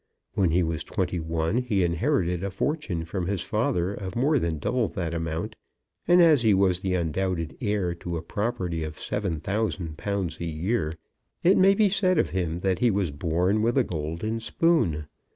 When he was twenty one he inherited a fortune from his father of more than double that amount; and as he was the undoubted heir to a property of £7,000 a year, it may be said of him that he was born with a golden spoon.